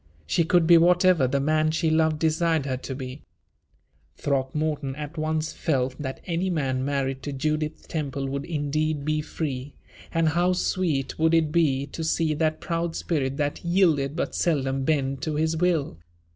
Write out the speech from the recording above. She could be whatever the man she loved desired her to be. Throckmorton at once felt that any man married to Judith Temple would indeed be free, and how sweet would it be to see that proud spirit that yielded but seldom bend to his will!